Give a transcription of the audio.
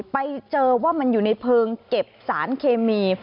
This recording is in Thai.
ไปเจอว่ามันอยู่ในเพลิงเก็บสารเคมี